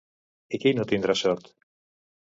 I qui no tindrà sort?